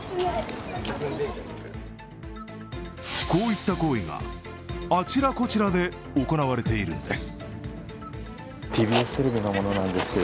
こういった行為があちらこちらで行われているんです。